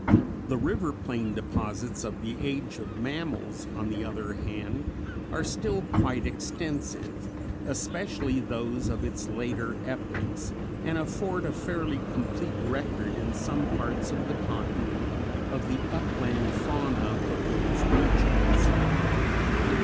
The river plain deposits of the Age of Mammals on the other hand, are still quite extensive, especially those of its later epochs, and afford a fairly complete record in some parts of the continent of the upland fauna of those regions.